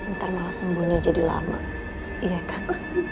ntar malah sembuhnya jadi lama iya kan